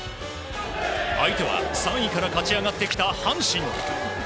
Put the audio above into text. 相手は、３位から勝ち上がってきた阪神。